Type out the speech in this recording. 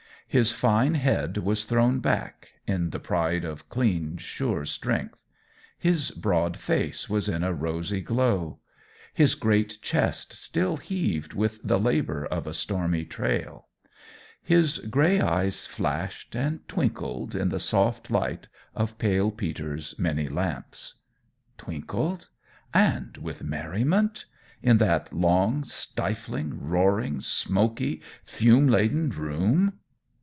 His fine head was thrown back, in the pride of clean, sure strength; his broad face was in a rosy glow; his great chest still heaved with the labour of a stormy trail; his gray eyes flashed and twinkled in the soft light of Pale Peter's many lamps. Twinkled? and with merriment? in that long, stifling, roaring, smoky, fume laden room?